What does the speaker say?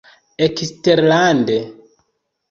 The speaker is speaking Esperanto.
Eksterlande.